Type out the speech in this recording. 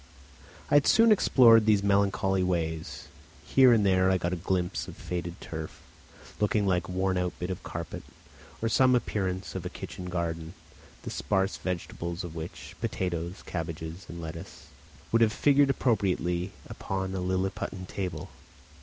I had soon explored these melancholy ways; here and there I got a glimpse of faded turf, looking like a worn out bit of carpet, or some appearance of a kitchen garden, the sparse vegetables of which (potatoes, cabbages, and lettuces), would have figured appropriately upon a Lilliputian table.